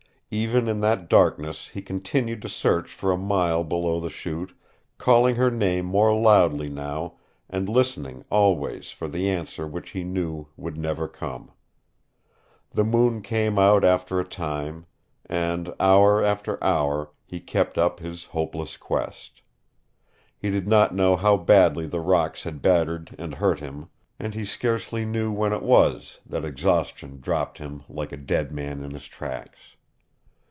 Even in that darkness he continued to search for a mile below the Chute, calling her name more loudly now, and listening always for the answer which he knew would never come. The moon came out after a time, and hour after hour he kept up his hopeless quest. He did not know how badly the rocks had battered and hurt him, and he scarcely knew when it was that exhaustion dropped him like a dead man in his tracks.